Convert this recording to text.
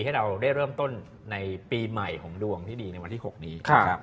ให้เราได้เริ่มต้นในปีใหม่ของดวงที่ดีในวันที่๖นี้นะครับ